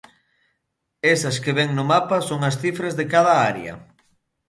Esas que ven no mapa son as cifras de cada área.